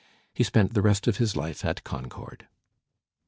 He spent the rest of his life at Concord.